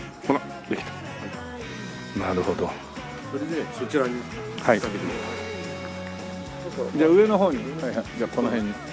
この辺に。